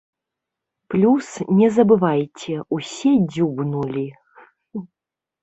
Плюс, не забывайце, усе дзюбнулі.